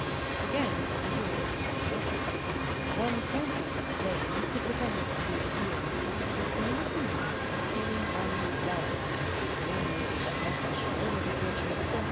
Again, a year or two later, "one Swanson, a Dane, who pretends to be a Deal merchant, is committed to Newgate for stealing one Miss Rawlins, a young lady of Leicestershire, with a fortune of £4,000.